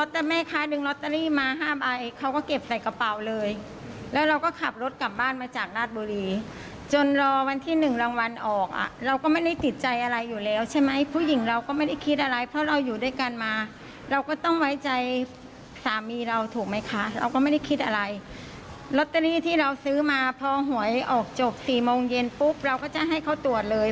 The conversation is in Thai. ถ้าหวยออกจบ๔โมงเย็นปุ๊บเราก็จะให้เขาตรวจเลย